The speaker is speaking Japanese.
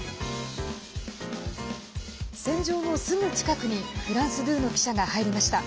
戦場のすぐ近くにフランス２の記者が入りました。